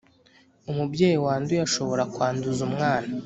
umubyeyi wanduye ashobora kwanduza umwana